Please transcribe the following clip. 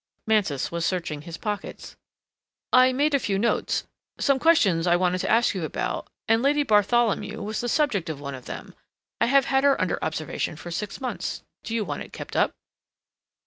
Mansus was searching his pockets. "I made a few notes, some questions I wanted to ask you about and Lady Bartholomew was the subject of one of them. I have had her under observation for six months; do you want it kept up?"